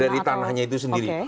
dari tanahnya itu sendiri